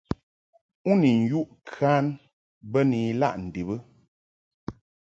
U ni yuʼ kan bə ni ilaʼ ndib ɨ ?